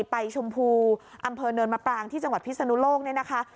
ไปชมพูอำเภอเนินมะปรางที่จังหวัดพิศนุโลกเนี่ยนะคะ